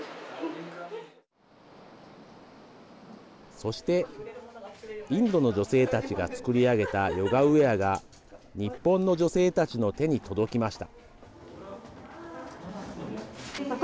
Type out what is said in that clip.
そして、インドの女性たちが作り上げたヨガウエアが日本の女性たちの手に届きました。